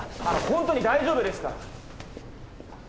あの本当に大丈夫ですから！